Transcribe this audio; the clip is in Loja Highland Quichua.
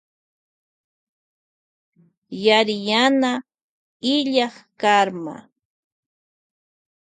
Yariyana karma illak.